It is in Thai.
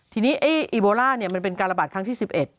ทีนี้อีโบร่าเนี่ยมันเป็นการระบาดทั้งที่๑๑